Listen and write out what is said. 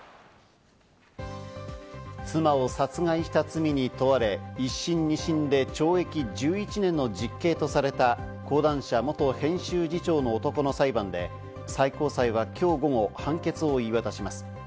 妻を殺害した罪に問われ１審、２審で懲役１１年の実刑とされた講談社、元編集次長の男の裁判で最高裁は今日午後、判決を言い渡します。